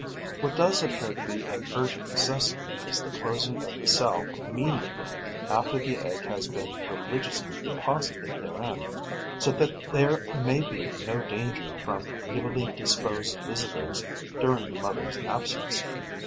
What does appear to be an urgent necessity is the closing of the cell immediately after the egg has been religiously deposited therein, so that there may be no danger from evilly disposed visitors during the mother's absence.